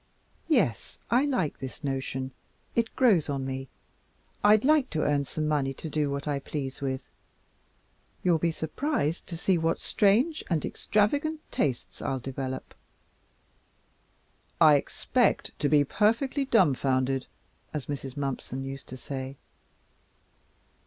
Yes, I like this notion. It grows on me. I'd like to earn some money to do what I please with. You'll be surprised to see what strange and extravagant tastes I'll develop!" "I expect to be perfectly dumfoundered, as Mrs. Mumpson used to say.